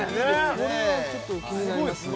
これはちょっと気になりますね